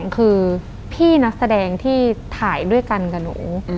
คือพี่นักแสดงที่ถ่ายด้วยกันกับหนู